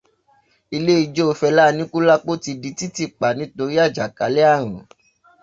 Ilé ijó Fẹlá Aníkúlápó ti di títì pa nítorí àjàkálẹ̀ ààrùn.